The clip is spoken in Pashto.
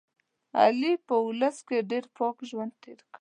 علي په اولس کې ډېر پاک ژوند تېر کړ.